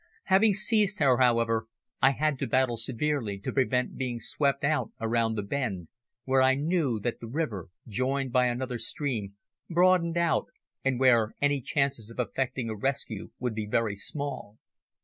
Having seized her, however, I had to battle severely to prevent being swept out around the bend where I knew that the river, joined by another stream, broadened out, and where any chances of effecting a rescue would be very small.